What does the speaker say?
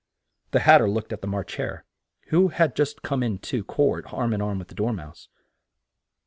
The Hat ter looked at the March Hare, who had just come in to court, arm in arm with the Dor mouse.